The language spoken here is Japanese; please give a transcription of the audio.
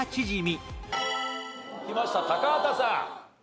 きました高畑さん。